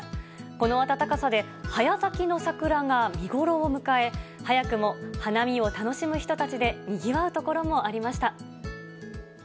この暖かさで、早咲きの桜が見頃を迎え、早くも花見を楽しむ人たちでにぎわう所もありました。